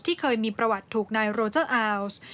เคยมีประวัติถูกนายโรเจอร์อาวส์